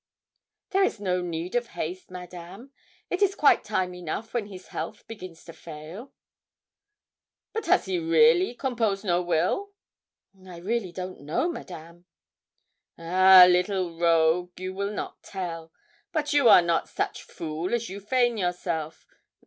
'There is no need of haste, Madame; it is quite time enough when his health begins to fail.' 'But has he really compose no will?' 'I really don't know, Madame.' 'Ah, little rogue! you will not tell but you are not such fool as you feign yourself.